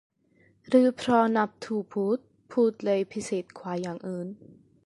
หรือเพราะนับถือพุทธ พุทธเลยพิเศษกว่าอย่างอื่น ?